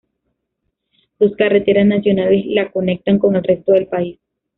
Dos carreteras nacionales la conectan con el resto del país.